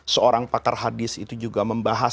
seorang pakar hadis itu juga membahas